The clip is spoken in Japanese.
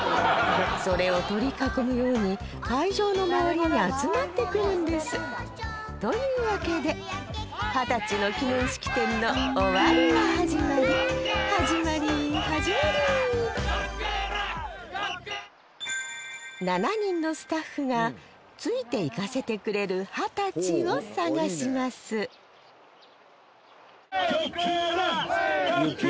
それを取り囲むように会場の周りに集まってくるんですというわけで始まり始まり７人のスタッフがついていかせてくれる二十歳を探します小倉！